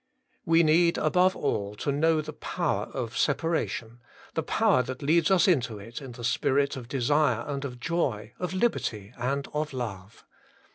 We need, above all, to know the power of separation, the power that leads us into it in the spirit of desire and of joy, of liberty and of love.